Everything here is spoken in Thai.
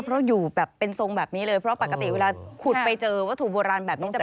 เพราะอยู่แบบเป็นทรงแบบนี้เลยเพราะปกติเวลาขุดไปเจอวัตถุโบราณแบบนี้จะ